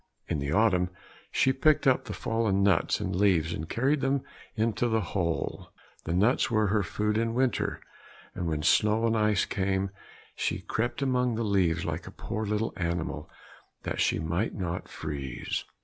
In the autumn she picked up the fallen nuts and leaves, and carried them into the hole. The nuts were her food in winter, and when snow and ice came, she crept amongst the leaves like a poor little animal that she might not freeze.